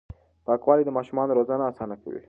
پاکوالي د ماشومانو روزنه اسانه کوي.